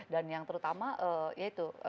dan yang terutama yaitu